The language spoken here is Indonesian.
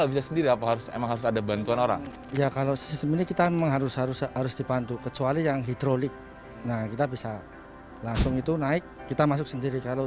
berarti kalau ngelajmun